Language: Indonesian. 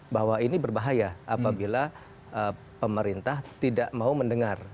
bahwa ini berbahaya apabila pemerintah tidak mau mendengar